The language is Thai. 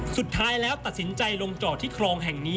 สุดท้ายแล้วตัดสินใจลงจอดที่คลองแห่งนี้